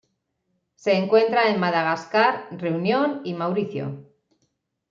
Se encuentra en Madagascar, Reunión y Mauricio.